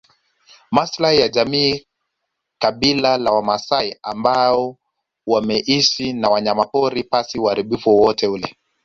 Maslahi ya jamii kabila la wamaasai ambao wameishi na wanyamapori pasipo uharibifu wowote ule